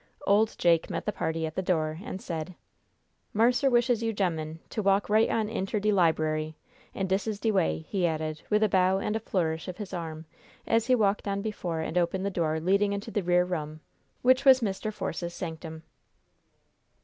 Old Jake met the party at the door, and said: "Marster wishes you ge'men to walk right on inter de liberary; and dis is de way," he added, with a bow and a flourish of his arm, as he walked on before and opened the door leading into the rear room, which was Mr. Force's sanctum.